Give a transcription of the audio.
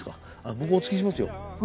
僕おつぎしますよ。